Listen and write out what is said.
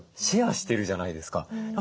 シェアしてるじゃないですか。